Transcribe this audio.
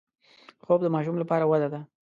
خوب د ماشوم لپاره وده ده